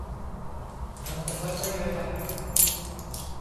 มันจะทันได้ไงล่ะ